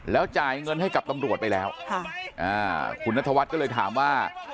แล้วจ่ายเงินให้กับตำรวจไปแล้วคุณนัทวัฒน์ก็เลยถามว่า